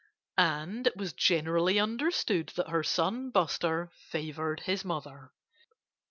And it was generally understood that her son Buster favored his mother.